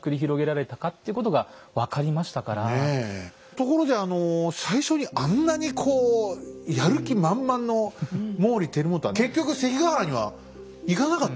ところで最初にあんなにこうやる気満々の毛利輝元は結局関ヶ原には行かなかった？